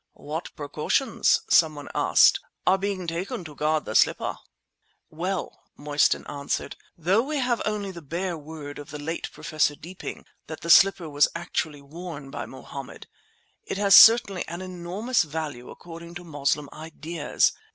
"What precautions," someone asked, "are being taken to guard the slipper?" "Well," Mostyn answered, "though we have only the bare word of the late Professor Deeping that the slipper was actually worn by Mohammed, it has certainly an enormous value according to Moslem ideas.